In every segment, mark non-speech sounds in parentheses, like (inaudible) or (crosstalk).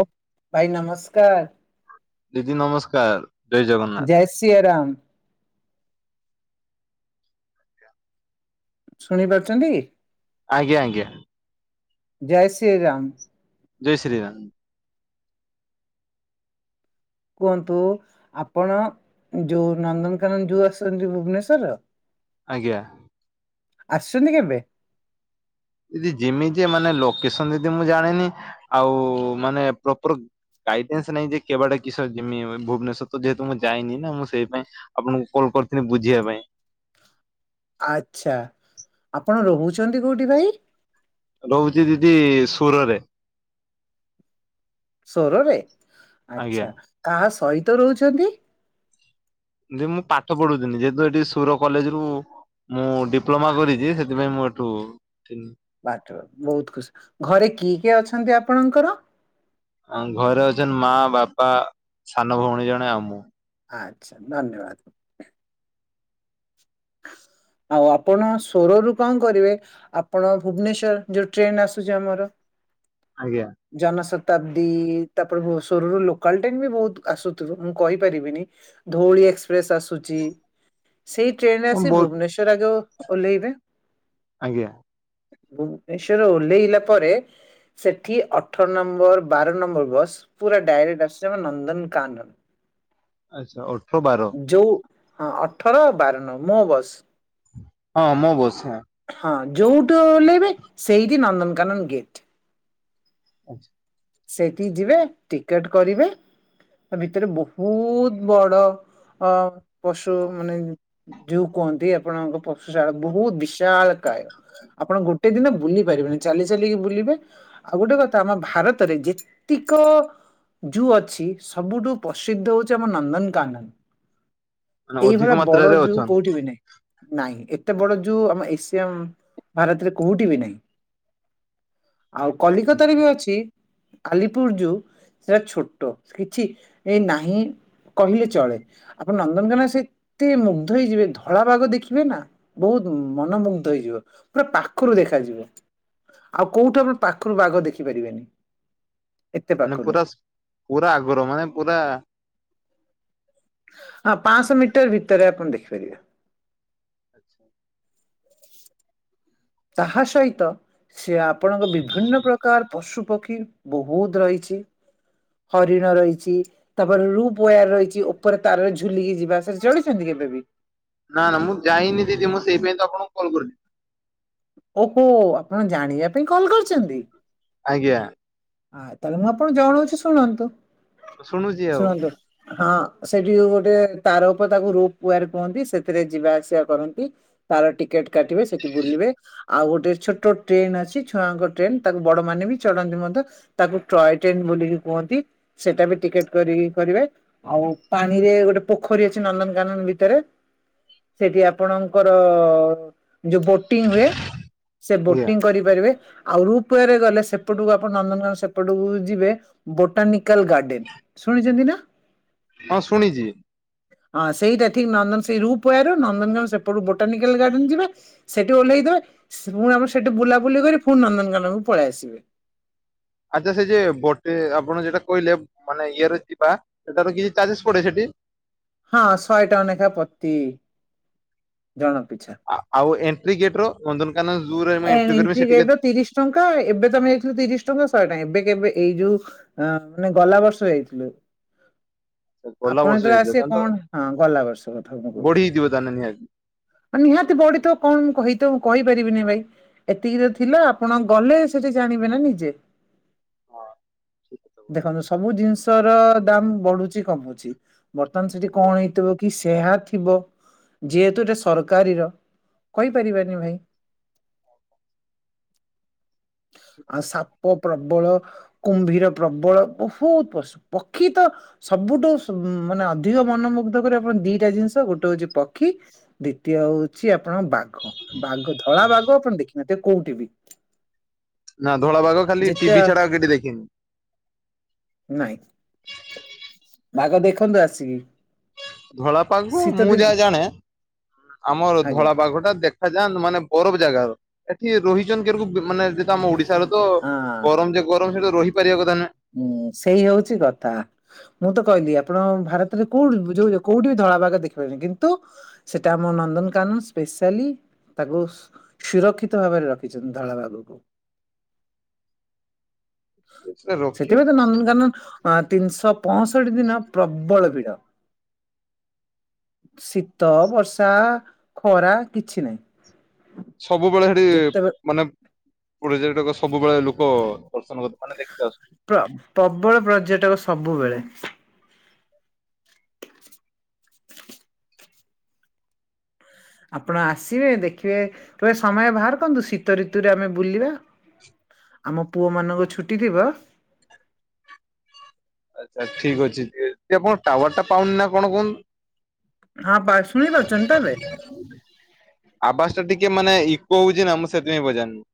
ଓ ଭାଇ ନମସ୍କାର। ଦିଦି ନମସ୍କାର। ଜୟ ଜଗନ୍ନାଥ ଜୟ ଶ୍ରୀ ରାମ। ଶୁଣି ପାରୁଛନ୍ତି? ଆଜ୍ଞା ଆଜ୍ଞା। ଜୟ ଶ୍ରୀ ରାମ। ଜୟ ଶ୍ରୀ ରାମ। କୁହନ୍ତୁ ଆପଣ? ଯୋଉଁ ନନ୍ଦନକାନନ ଯୋଉଁ ଆସୁଛନ୍ତି ଭୁବନେଶ୍ୱରର? ଆଜ୍ଞା। ଆସୁଛନ୍ତି କେବେ? ଦିଦି ଯିମି ଯେ ମାନେ ଲୋକେସନ ଦିଦି ମୁଁ ଜାଣିନି ଆଉ ମାନେ ପ୍ରପର ଗାଇଡେନ୍ସ ନାଇଁ ଯେ କେବାଟେ କିସୋ ଯିବି ମୁଁଇ ଭୁବନେଶ୍ୱର ତ ଯେହେତୁ ମୁଁ ଯାଇନି ନା ମୁଁ ସେଇ ପାଇଁ ଆପଣଙ୍କୁ କଲ୍ କରିଥିଲି ବୁଝିବା ପାଇଁ। ଆଚ୍ଛା ଆପଣ ରହୁଛନ୍ତି କୋଉଠି ଭାଇ? ରହୁଛି ଦିଦି ସୁରରେ। ସ୍ୱରରେ ଆଜ୍ଞା। ଆଛା କାହା ସହିତ ରହୁଛନ୍ତି? ଦିଦି ମୁଁ ପାଠ ପଢୁଥିଲି ଯେହେତୁ ଏଠି ସୁର କଲେଜ ରୁ ମୁଁ ଡିପ୍ଲୋମା କରିଛି ସେ ସେଥିପାଇଁ ମୁଁ ଏଠୁ ତିନି ବାଟ ବହୁତ ଖୁସି ଘରେ କିଏ କିଏ ଅଛନ୍ତି ଆପଣଙ୍କର? ଘରେ ଅଛନ୍ତି ମା ବାପା ସାନ ଭଉଣୀ ଜଣେ ଆଉ ମୁଁ। ଆଚ୍ଛା ଧନ୍ୟବାଦ। ଆଉ ଆପଣ ସ୍ୱରରୁୁ କଣ କରିବେ? ଆପଣ ଭୁବନେଶ୍ୱର ଯୋଉ ଟ୍ରେନ ଆସୁଛି ଆମର ଆଜ୍ଞା। ଜନଶତାବ୍ଦୀ ତାପରେ ଭୁବନେଶ୍ବର ରୁ ଲୋକାଲ ଟ୍ରେନ ବି ବହୁତ ଆସୁଥିବ ମୁଁ କହିପାରିବିନି। ଧଉଳି ଏକ୍ସପ୍ରେସ ଆସୁଚି। ସେଇ ଟ୍ରେନରେ ଆସି ବହୁତ ଭୁବନେଶ୍ଵର ଆଗ ଓହ୍ଲେଇବେ। ଆଜ୍ଞା। ଭୁବନେଶ୍ଵରରେ ଓହ୍ଲେଇଲା ପରେ ସେଠି ଅଠର ନମ୍ବର ବାର ନମ୍ବର ବସ୍ ପୁରା ଡାଇରେକ୍ଟ ଆସୁଛି ଆମ ନନ୍ଦନକାନନ। (inaudible) ଆଚ୍ଛା। ଅଠର ବାର। ଯୋଉ ହଁ ଅଠର ବାର ନମ୍ବର ମୋ ବସ୍। ହଁ ମୋ ବସ। ହଁ। ହଁ ଯୋଉଠୁ ଓହ୍ଲେଇବେ ସେଇଠି ନନ୍ଦନକାନନ ଗେଟ। ଆଚ୍ଛା। ସେଇଠିକି ଯିବେ ଟିକେଟ କରିବେ ତା ଭିତରେ ବହୁତ ବଡ ଅ ପଶୁ ମାନେ ଯୋଉ କୁହନ୍ତି ଆପଣଙ୍କ ପଶୁ ଚାଳକକୁ ବିଶାଳ କାୟ। ଆପଣ ଗୋ ଗୋଟେ ଦିନ ବୁଲି ପାରିବେନି। ଚାଲି ଚାଲିକି ବୁଲିବେ। ଆଉ ଗୋଟେ କଥା ଆମ ଭାରତ ରେ ଯେତିକ ଜୁ ଅଛି ସବୁଠୁ ପ୍ରସିଦ୍ଧ ହେଉଛି ଆମ ନନ୍ଦନକାନନ। ମାନେ ଅଧିକ ଏଇଭଳିଆ ବଡ ମାତ୍ରାରେ ଜୁ ଅଛନ୍ କୋଉଠି ବି ନାଇଁ। ନାହିଁ। ଏତେ ବଡ ଜୁ ଆମ ଏସିଆ ଭାରତରେ କୋଉଠି ବି ନାହିଁ। ଆଉ କଲିକତାରେ ବି ଅଛି। ଖାଲିପୁର ଜୁ। ସେଟା ଛୋଟ କିଛି ଏ ନାହିଁ କହିଲେ ଚଳେ। ଆପଣ ନନ୍ଦନକାନନ ସେ ଏତେ ମୁଗ୍ଧ ହେଇଯିବେ ଧଳା ବାଘ ଦେଖିବେ ନା ବହୁତ ମନମୁଗ୍ଧ ହେଇଯିବ। ପୁରା ପାଖରୁ ଦେଖାଯିବ। ଆଉ କୋଉଠୁ ବା ପାଖରୁ ବାଘ ଦେଖିପାରିବେନି। ଏତେ ମାନେ ପାଖରୁ ପୁରା ପୁରା ଆଗରୁ ମାନେ ପୁରା ହଁ ପାଆଁଶହ ମିଟର ଭିତରେ ଆପଣ ଦେଖିପାରିବେ। ଆଛା। ତାହା ସହିତ ସେ ଆପଣଙ୍କ ବିଭିନ୍ନ ପ୍ରକାର ପଶୁ ପକ୍ଷୀ ବହୁତ ରହିଛି। ହରିଣ ରହିଛି। ତାପରେ ରୁପ ଓୟାର ରହିଛି ଉପରେ ତାରରେ ଝୁଲିକି ଯିବା, ସେଠି ଚଢ଼ିଚନ୍ତି କେବେ ବି? ନା ନା ମୁଁ ଯାଇନି ଦିଦି। ମୁଁ ସେଇଥି ପାଇଁ ତ ଆପଣଙ୍କୁ କଲ୍ କରିଚି। ଓହୋ ଆପଣ ଜାଣିବା ପାଇଁ କଲ୍ କରିଚନ୍ତି? ଆଜ୍ଞା। ଆ ତାହେଲେ ମୁଁ ଆପଣଙ୍କୁ ଜଣଉଛି ଶୁଣନ୍ତୁ। ଶୁଣୁଛି ଆଉ ଶୁଣନ୍ତୁ ହଁ। ସେଠି ଗୋଟେ ତାର ଉପରେ ତାକୁ ରୂପ ଓୟାର କୁହନ୍ତି ସେଥିରେ ଯିବା ଆସିବା କରନ୍ତି। ତାର ଟିକେଟ କାଟିବେ ସେଠି ବୁଲିବେ। ଆଉ ଗୋଟେ ଛୋଟ ଟ୍ରେନ ଅଛି ଛୁଆଙ୍କ ଟ୍ରେନ, ତାକୁ ବଡ ମାନେ ବି ଚଢ଼ନ୍ତି ମଧ୍ୟ। ତାକୁ ଟ୍ରଏ ଟ୍ରେନ୍ ବୋଲିବି କୁହନ୍ତି। ସେଇଟା ବି ଟିକେଟ କରିକି କରିବେ। ଆଉ ପାଣି ରେ ଗୋଟେ ପୋଖରୀ ଅଛି ନନ୍ଦନକାନନ ଭିତରେ। ସେଠି ଆପଣଙ୍କର ଯୋଉ ବୋଟିଂ ହୁଏ, ସେ ଆଜ୍ଞା ବୋଟିଂ କରିପାରିବେ। ଆଉ ରୁପ ୱେରେ ଗଲେ ସେପଟକୁ ଆପଣ ନନ୍ଦନ ତ ସେପଟକୁ ଯିବେ ବୋଟାନିକାଲ ଗାର୍ଡେନ, ଶୁଣିଛନ୍ତି ନା? ହଁ ଶୁଣିଚି। ହଁ ସେଇଟା ଠିକ୍ ନନ୍ଦନ ସେଇ ରୁପ ୱାର ନନ୍ଦନକାନନ ସେପଟକୁ ବୋଟାନିକାଲ ଗାର୍ଡେନ୍ ଯିବେ। ସେଠି ଓହ୍ଲେଇଦେବେ। ପୁଣି ଆମର ସେଠି ବୁଲାବୁଲି କରି ପୁଣି ନନ୍ଦନକାନନକୁ ପଳେଇ ଆସିବେ। ଆଚ୍ଛା ସେ ଯେ ବୋଟେ ଆପଣ ଯେଟା କହିଲେ ମାନେ ଇଏରେ ଯିବା ସେଟାର ଇଏ ଚାର୍ଜେସ ପଡେ ସେଠି? ହଁ ଶହେ ଟଙ୍କା ନେଖା ପତି ଜଣ ପିଛା। ଆ-ଆଉ ଏଣ୍ଟ୍ରି ଗେଟ ର ନନ୍ଦନକାନନ ଜୁରେ ମୁଁ ଏଣ୍ଟ୍ରି କରିବା ସେଠି କେ ରେଟ ତିରିଶ ଟଙ୍କା ଏବେ ତ ଆମେ ଯାଇଥିଲୁ ତିରିଶ ଟଙ୍କା ଶହେ ଟଙ୍କା ଏବେ କେବେ ଏଇ ଯୋଉ ଆଁ ମାନେ ଗଲା ବର୍ଷ ଯାଇଥିଲୁ। ଗଲା ଆପଣ ବର୍ଷ ଯେତବେଳେ ଯାଇଥିଲ ଆସିବେ ତାହେଲେ ତ କଣ, ହଁ ଗଲା ବର୍ଷ କଥା ମୁଁ କହୁଛି। ବଢିଯିବ ତାହେଲେ ନିହାତି। ମାନେ ନିହାତି ବଢିଥିବ କଣ ମୁଁ କହିତ କହି ପାରିବିନି ଭାଇ। ଏତିକି ତ ଥିଲା ଆପଣ ଗଲେ ସେଠି ଜାଣିବେ ନା ନିଜେ। ହଁ ଠିକ୍ କଥା କହୁଛ। ଦେଖନ୍ତୁ ସବୁ ଜିନିଷ ର ଦାମ ବଢୁଛି କମୁଛି। ବର୍ତ୍ତମାନ ସେଠି ଆଜ୍ଞା। କଣ ହେଇଥିବ କି ସେହା ଥିବ, ଯେହେତୁ ଏଟା ସରକାରୀର କହିପାରିବାନି ଭାଇ। ଆ ସାପ ପ୍ରବଳ। କୁମ୍ଭୀର ପ୍ରବଳ ବହୁତ ପଶୁ, ପକ୍ଷୀ ତ ସବୁଠୁ ସୁ ମାନେ ଅଧିକ ମନମୁଗ୍ଧ କରିବ ଆପଣ ଦିଟା ଜିନିଷ ଗୋଟେ ହଉଛି ପକ୍ଷୀ ଦ୍ଵିତୀୟ ହଉଛି ଆପଣ ବାଘ, ବାଘ ତ ଧଳା ବାଗ ଆପଣ ଦେଖି ନଥିବେ କୋଉଠି ବି। ନା ଧଳା ବାଘ ଖାଲି ଯେତେ ଟିଭି ଛଡା ଆଉ କେଉଠି ଦେଖିନି। ନାଇଁ, ବାଘ ଦେଖନ୍ତୁ ଆସିକି। ଧଳାପାଗ ଶୀତ ମୁଁ ଦିନ ଯାହା ଜାଣେ ଆମର ଆଜ୍ଞା ଧଳାବାଘ ଟା ଦେଖ ଦେଖାଯାଆନ୍ତ ମାନେ ବରଫ ଜାଗାର ଏଠି ରହିଚନ କେରକୁ ମାନେ ଯେତ ଆମ ଓଡିଶାର ତ ହଁ ଗରମ ଯେ ଗରମ ସେଠିତ ରହିପାରିବା କଥା ନୁହେଁ। ହୁଁ ସେଇ ହଉଛି କଥା। ମୁଁ ତ କହିଲି ଆପଣ ଭାରତରେ କୋଉଠି ବି ଯୋଅ କୋଉଠି ବି ଧଳା ବାଘ ଦେଖିପାରବନି କିନ୍ତୁ ସେଟା ଆମ ନନ୍ଦନକାନନ ସ୍ପେସାଲ୍ ତାକୁ ସ୍ ସୁରକ୍ଷିତ ଭାବରେ ରଖିଚନ୍ତି ଧଳା ବାଘକୁ। ସେଟା ରଖିବେ ସେଥିପାଇଁ ତ ନନ୍ଦନକାନନ ଅ ତିନିଶହ ପଂଷଠି ଦିନ ପ୍ରବଳ ଭିଡ଼। ଶୀତ ବର୍ଷା ଖରା କିଛି ନାଇଁ। ସବୁବେଳେ ହେଠି ମାନେ ପର୍ଯ୍ୟଟକ ସବୁବେଳେ ଲୋକ ଦର୍ଶନ କରି ମାନେ ଦେଖି ଆସୁ ପ୍ର ପବଳ ପର୍ଯ୍ୟଟକ ସବୁବେଳେ। (inaudible) ଆପଣ ଆସିବେ ଦେଖିବେ କେବେ ସମୟ ବାହାର କରନ୍ତୁ ଶୀତ ଋତୁରେ ଆମେ ବୁଲିବା। ଆମ ପୁଅମାନଙ୍କ ଛୁଟି ଥିବ। ଆଚ୍ଛା ଠିକ ଅଛି ଯେ ଆପଣ ଟାୱାର ଟା ପାଉନି ନା କଣ କୁହନ୍ତୁ? ହଁ ବା ଶୁଣିପାରୁଛନ୍ତିତ ଏବେ। ଆବାସ ଟା ଟିକେ ମାନେ ଇକୋ ହଉଛି ନା ମୁଁ ସେଥିପାଇଁ ପଚାରିନି।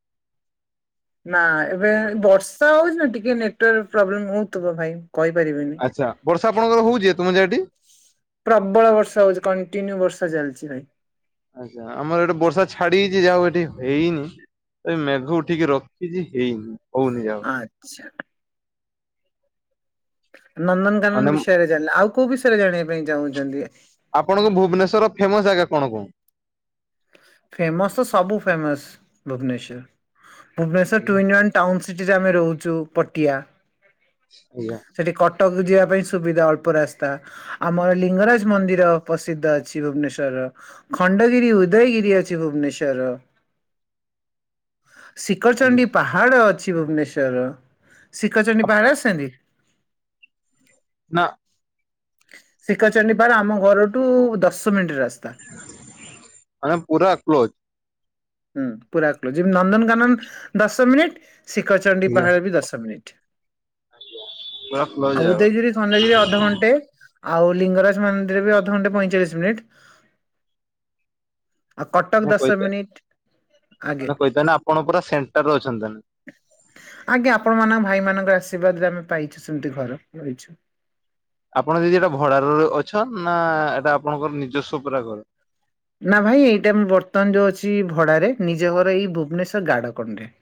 ନା ଏବେ ବର୍ଷା ହଉଛି ନା ଟିକେ ନେଟୱାର୍କ ପ୍ରୋବ୍ଲେମ ହଉଥିବ ଭାଇ କହିପାରିବିନି। ଆଚ୍ଛା ବର୍ଷା ଆପଣଙ୍କ ହଉଛି ତମ ଯାହାଟି। ପ୍ରବଳ ବର୍ଷା ହଉଛି କଣ୍ଟିନ୍ୟୁ ବର୍ଷା ଚାଲିଛି ଭାଇ। ଆଚ୍ଛା ଆମର ଏଠି ବର୍ଷା ଛାଡି ଯାଇଛି ଯାହାଉ ଏଠି ହେଇନି। ଏଇ ମେଘଉଠିକି ରଖିଛି ହେଇନି। ହଉନି ଯାହା ହଉ ଆଚ୍ଛା। ନନ୍ଦନକାନନ ମାନେ ବିଷୟରେ ଜାଣିଲେ ଆଉ କୋଉ ବିଷୟରେ ଜାଣିବା ପାଇଁ ଚାହୁଁଛନ୍ତି। ଆପଣଙ୍କ ଭୁବନେଶ୍ୱର ଫେମସ ଜାଗା କଣ କଣ? ଫେମସ ତ ସବୁ ଫେମସ ଭୁବନେଶ୍ଵର ଭୁବନେଶ୍ୱର ଟ୍ୟୁନ୍ ଅ୍ୟାନ୍ ଟାଉନ ସିଟିରେ ଆମେ ରହୁଛୁ ପଟିଆ ଆଜ୍ଞା। ସେଇଠି କଟକ ଯିବା ପାଇଁ ସୁବିଧା ଅଳ୍ପ ରାସ୍ତା। ଆମର ଲିଙ୍ଗରାଜ ମନ୍ଦିର ପ୍ରସିଦ୍ଧ ଅଛି ଭୁବନେଶ୍ଵରର ଖଣ୍ଡଗିରି ଉ ଉଦୟଗିରି ଅଛି ଭୁବନେଶ୍ୱର ର। ଶିଖରଚଣ୍ଡି ପାହାଡ଼ ଅଛି ଭୁବନେଶ୍ୱର ର। ଶିଖରଚଣ୍ଡୀ ପାହାଡ଼ ଦେଖିଛନ୍ତି? ନା। ଶିଖରଚଣ୍ଡୀ ପାହାଡ଼ ଆମ ଘରଠୁ ଦଶ ମିନିଟ୍ ର ରାସ୍ତା। ମାନେ ପୁରା କ୍ଲୋଜ। ହୁଁ ପୁରା କ୍ଲୋଜ୍। ଯେମିତି ନନ୍ଦନକାନନ ଦଶ ମିନିଟ। ଶିଖରଚଣ୍ଡୀ ଆଜ୍ଞା ପାହାଡ଼ ବି ଦଶ ମିନିଟ। ପୁରା କ୍ଲୋଜ ଆଉ ଉଦୟଗିରି ମନ୍ଦିର ବି ଅଧଘଣ୍ଟେ। ଆଉ ଲିଙ୍ଗରାଜ ମନ୍ଦିର ବି ଅଧଘଣ୍ଟେ ପଇଁଚାଳିଶ ମିନିଟ। ଆଉ କଟକ ମାନେ ଦଶ କହିଥା ମିନିଟ। ଆଗେ ମାନେ କହିଥାନ ଆପଣ ପୁରା ସେଣ୍ଟର ଅଛନ୍ତି। ଆଜ୍ଞା ଆପଣ ମାନଙ୍କ ଭାଇ ମାନଙ୍କର ଆଶୀର୍ବାଦରେ ଆମେ ପାଇଛୁ ସେମିତି ଘର ପାଇଛୁ। ଆପଣ ଦିଦି ଏଟା ଭଡାରରେ ଅଛନ୍ ନା ଏଇଟା ଆପଣଙ୍କର ନିଜସ୍ୱ ପୁରା ଘର? ନା ଭାଇ ଏଇଟା ମୁଁ ବର୍ତ୍ତମାନ ଯୋଉ ଅଛି ଭଡାରେ। ନିଜ ଘର ଏଇ ଭୁବନେଶ୍ଵର ଗାଡକଣ୍ଡରେ।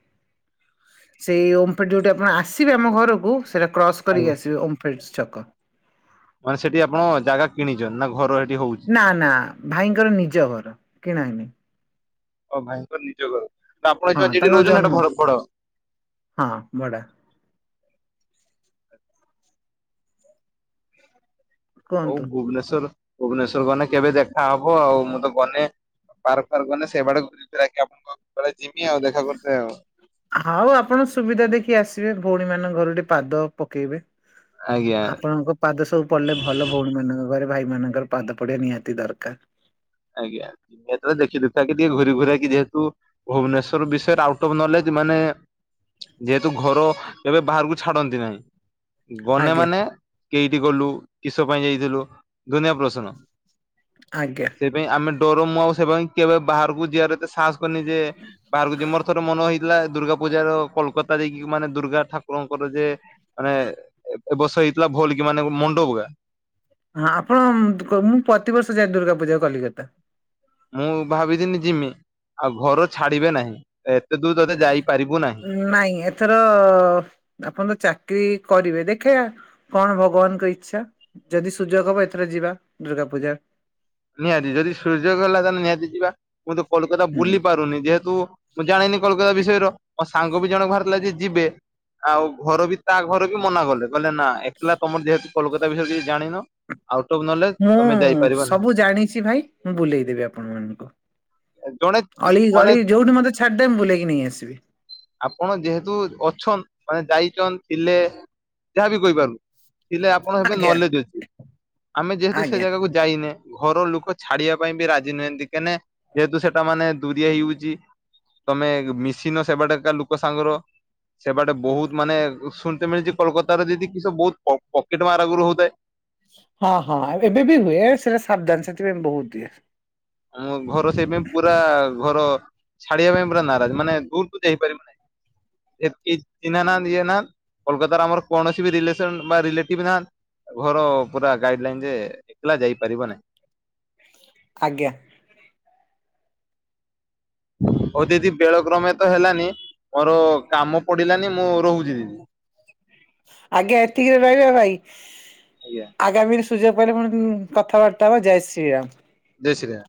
ସେଇ ଓମ୍ଫେଡ଼୍ ଯେଉଁଠି ଆପଣ ଆସିବେ ଆମ ଘରକୁ ସେଇଟା କ୍ରସ୍ ଆଜ୍ଞା କରିକି ଆସିବେ ଓମ୍ଫେଡ଼୍ ଛକ। ମାନେ ସେଠି ଆପଣ ଜାଗା କିଣିଛନ୍ ନା ଘର ହେଠି ହଉଚି? ନା ନା ଭାଇଙ୍କର ନିଜ ଘର କିଣା ହେଇନି। ହଁ ଭାଇଙ୍କର ନିଜ ଘର। ନା ଆପଣଇ ହଁ ଯେଠି ତାଙ୍କର ଜନ୍ମ ରହୁଛନ୍ତି ଭଡ ଭଡ। ହଁ ଭଡ଼ା। ହଉ କୁହନ୍ତୁ। ଭୁବନେଶ୍ଵର ଭୁବନେଶ୍ୱର ଗଲେ କେବେ ଦେଖାହବ ଆଉ। ମୁଁ ତ ଗନେ ପାର୍କ ଫାର୍କ ଗଲେ ସେଇଆଡକୁ ଯକି ଆପଣଙ୍କ ଯିମି ଆଉ ଦେଖା କରୁତେ ଆଉ। ହଉ ଆପଣ ସୁବିଧା ଦେଖି ଆସିବେ ଭଉଣୀ ମାନଙ୍କ ଘରୁ ଟିକେ ପାଦ ପକେଇବେ। ଆଜ୍ଞା। ଆପଣଙ୍କ ପାଦ ସବୁ ପଡିଲେ ଭଲ ଭଉଣୀ ମାନଙ୍କ ଘରେ। ଭାଇମାନଙ୍କର ପାଦ ପଡିବା ନିହାତି ଦରକାର। ଆଜ୍ଞା। ଏଥର ଦେଖିଦୁଖାକି ଟିକେ ଘୁରି ଘୁରାକି ଯେହେତୁ ଭୁବନେଶ୍ଵର ବିଷୟରେ ଆଉଟ୍ ଅଫ୍ ନଲେଜ ମାନେ ଯେହେତୁ ଘର କେବେ ବାହାରକୁ ଛାଡନ୍ତି ନାହିଁ ଗନେ ଆଜ୍ଞା ମାନେ କେଇଠି ଗଲୁ କିସ ପାଇଁ ଯାଇଥିଲୁ ଦୁନିଆ ପ୍ରଶ୍ନ। ଆଜ୍ଞା। ସେଇ ପାଇଁ ଆମେ ଡରୁ ମୁଁ ଆଉ ସେ ପାଇଁ କେବେ ବାହାରକୁ ଯିବାର ଏତେ ସାହସ କରିନି ଯେ ବାହାର କୁ ମର ଥରେ ମନ ହେଇଥିଲା ଦୁର୍ଗା ପୂଜାର କୋଲକାତା ଦେଇକି ମାନେ ଦୁର୍ଗା ଠାକୁରଙ୍କର ଯେ ମାନେ ଏ ବର୍ଷ ହେଇଥିଲା ଭଲ କି ମାନେ ମଣ୍ଡପ ଗୁଡା। ହଁ ଆପଣ ମୁଁ ପ୍ରତିବର୍ଷ ଯାଏ ଦୁର୍ଗା ପୂଜା କୁ କଲିକତା। ମୁଁ ଭାବିଦିନି ଯିମି। ଆଉ ଘର ଛାଡିବେ ନାହିଁ ଏତେ ଦୂର ତତେ ଯାଇପାରିବୁ ନାହିଁ। ନାଇଁ ଏଥର ଆପଣ ତ ଚାକିରୀ କରିବେ ଦେଖଆ। କଣ ଭଗବାନଙ୍କ ଇଚ୍ଛା ଯଦି ସୁଯୋଗ ହବ ଏଥର ଯିବା ଦୁର୍ଗା ପୂଜା। ନିହାତି ଯଦି ସୁଯୋଗ ହେଲା ତାହେଲେ ନିହାତି ଯିବା। ମୁଁ ତ କୋଲକାତା ହୁଁ ବୁଲି ପାରୁନି। ଯେହେତୁ ମୁଁ ଜାଣିନି କୋଲକାତା ବିଷୟର। ମୋ ସାଙ୍ଗ ବି ଜଣଙ୍କୁ ବାହାରିଥିଲା ଯେ ଯିବେ ଆଉ ଘର ବି ତା ଘର ବି ମନା କଲେ। କହିଲେ ନା ଏକଲା ତମର ଯେହେତୁ କୋଲକାତା ବିଷୟରେ କିଛି ଜାଣିନ ଆଉଟ ଅଫ୍ ନଲେ ମୁଁ ସବୁ ଜାଣିଚି ଭାଇ। ମୁଁ ବୁଲେଇ ଦେବି ଆପଣ ମାନଙ୍କୁ। ଜଣେ ଅଳି ମାନେ ଗଳି ଯୋଉଠି ମତେ ଛାଡିଦେବେ ମୁଁ ବୁଲେଇକି ନେଇ ଆସିବି। ଆପଣ ଯେହେତୁ ଅଛନ୍ ମାନେ ଯାଇଛନ୍ ଥିଲେ ଯାହାବି କହିପାରୁୁ। ଥିଲେ ଆପଣ ହେତେ ଆଜ୍ଞା ନଲେଜ ଅଛି। ଆମେ ଯେହେତୁ ସେ ଆଜ୍ଞା ଜାଗାକୁ ଯାଇନେ ଘର ଲୋକ ଛାଡିବା ପାଇଁ ବି ରାଜି ନୁହନ୍ତି। କେନେ ଯେହେତୁ ସେଟା ମାନେ ଦୁରିଆ ହେଇଯାଉଚି। ତମେ ମିଶିନ ସେବାଟେ ଏକା ଲୋକ ସାଙ୍ଗର ସେ ବାଟେ ବହୁତ ମାନେ ଶୁଣିିତେ ମିଳୁଚି କୋଲକାତ ର ଯଦି କିସ ବହୁତ ପ ପକେଟ ମାର୍ ଆଗରୁ ହଉଥାଏ। ହଁ ହଁ ଏବେ ବି ହୁଏ। ସେଟା ସାବଧାନ ସେଥିପାଇଁ ବହୁତ ଇଏ। ମୁଁ ଘର ସେଇପାଇଁ ପୁରା ଘର ଛାଡିବା ପାଇଁ ପୁର ନାରାଜ। ମାନେ ଦୂରକୁୁ ଯାଇପାରିବୁ ନାହିଁ। କେହି ଚିହ୍ନା ନାହାନ୍ତି ଇଏ ନାହା କୋଲକାତାର ଆମର କୌଣସି ବି ରିଲେସନ ବା ରିଲେଟିଭ ନାହାନ୍ତି। ଘର ପୁରା ଗାଇଡ଼୍ ଲାଇନ୍ ଯେ ଏକଲା ଯାଇପାରିବ ନାଇଁ। ଆଜ୍ଞା। ହଉ ଦିଦି ବେଳ କ୍ରମେ ତ ହେଲାନି ମୋର କାମ ପଡି଼ଲାନି ମୁଁ ରୋହୁଚି ଦିଦି। ଆଜ୍ଞା ଏତିକିରେ ରହିବା ଭାଇ। ଆଜ୍ଞା ଗାମୀରେ ସୁଯୋଗ ପାଇଲେ ବନ୍ଧୁ କଥାବାର୍ତ୍ତା ହବା ଜୟ ଶ୍ରୀରାମ। ଜୟ ଶ୍ରୀ ରା